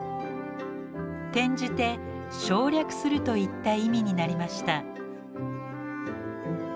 転じて「省略する」といった意味になりました。